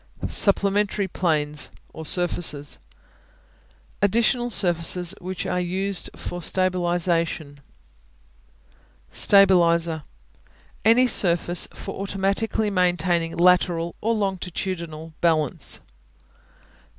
Supplementary Planes (or surfaces) Additional surfaces which are used for stabilization. Stabilizer Any surface for automatically maintaining lateral or longitudinal balance.